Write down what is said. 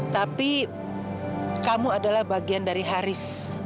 tapi kamu adalah bagian dari haris